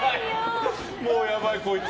もうやばい、こいつ。